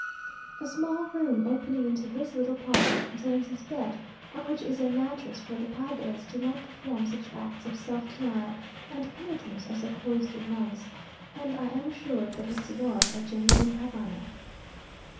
A small room, opening into his little parlour, contains his bed, on which is a mattress; for the padres do not perform such acts of self denial and penitence as the cloistered nuns and I am assured that his cigars are genuine Havana....